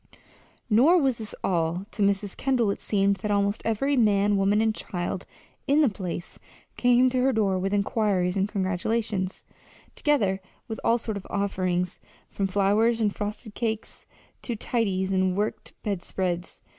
Nor was this all. To Mrs. Kendall it seemed that almost every man, woman, and child in the place came to her door with inquiries and congratulations, together with all sorts of offerings, from flowers and frosted cakes to tidies and worked bedspreads.